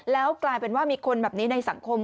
แล้วกลายเป็นว่ามีคนแบบนี้ในสังคม